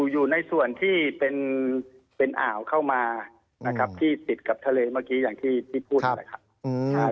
อยู่ในส่วนที่เป็นอ่าวเข้ามาที่ติดกับทะเลเมื่อกี้อย่างที่พูด